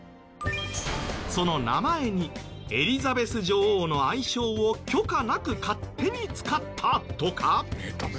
その名前にエリザベス女王の愛称を許可なく勝手に使ったとか。